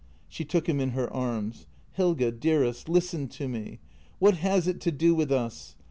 She took him in her arms. " Helge, dearest, listen to me — what has it to do with us